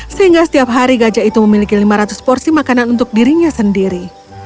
sehingga setiap hari gajah itu memiliki lima ratus porsi makanan untuk dirinya sendiri